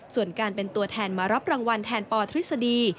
ส่วนการเป็นตัวแทนมารับรางวัลแทนปทฤษฎี